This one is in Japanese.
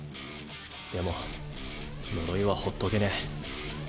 でも呪いはほっとけねぇ。